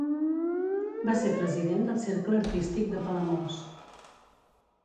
Va ser president del Cercle Artístic de Palamós.